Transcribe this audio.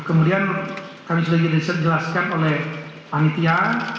kemudian kami sudah jelaskan oleh panitia